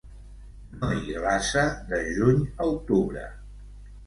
No hi glaça de juny a octubre.